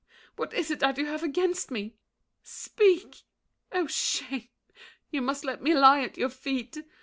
What is it that you have against me? Speak! Oh, shame! You must let me lie at your feet.